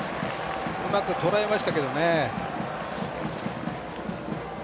うまくとらえましたけどね。